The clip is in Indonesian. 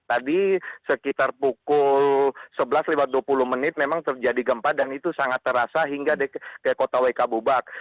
tadi sekitar pukul sebelas lewat dua puluh menit memang terjadi gempa dan itu sangat terasa hingga ke kota wk bubak